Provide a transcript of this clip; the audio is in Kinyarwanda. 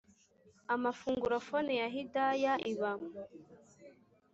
amafunguro phone ya hidaya iba